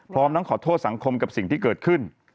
พร้อมทั้งขอโทษสังคมกับสิ่งที่เกิดขึ้น